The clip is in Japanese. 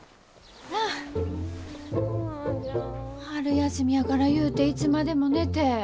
春休みやからいうていつまでも寝て。